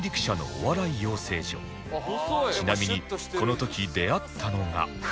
ちなみにこの時出会ったのが